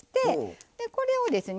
でこれをですね